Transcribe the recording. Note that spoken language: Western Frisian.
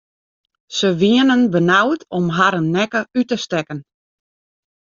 Se wienen benaud om harren nekke út te stekken.